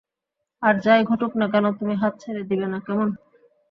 আর যাই ঘটুক না কেন, তুমি হাত ছেড়ে দিবে না, কেমন?